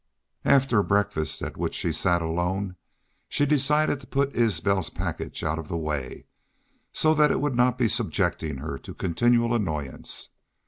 After breakfast, at which she sat alone, she decided to put Isbel's package out of the way, so that it would not be subjecting her to continual annoyance.